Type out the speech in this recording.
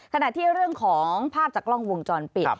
ขณะที่เรื่องของภาพจากกล้องวงจรปิด